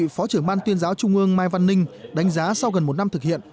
phó trưởng ban tuyên giáo trung ương mai văn ninh đánh giá sau gần một năm thực hiện